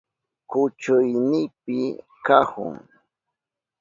Kuchuynipi kahun.